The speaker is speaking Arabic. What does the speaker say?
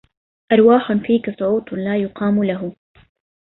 أرواح فيك سعوط لا يقام له